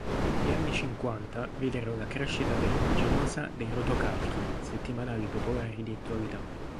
Gli anni cinquanta videro la crescita vertiginosa dei rotocalchi, settimanali popolari di attualità.